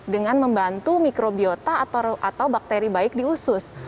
dengan membantu mikrobiota atau bakteri baik diusus